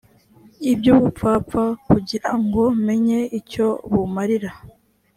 iby ubupfapfa kugira ngo menye icyo bumarira